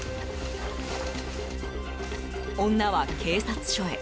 女は警察署へ。